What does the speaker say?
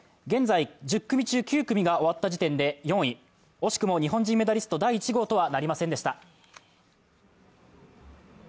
現在、１０組中９組が終わった段階で４位、惜しくも日本人メダリスト第１号とはなりませんでした。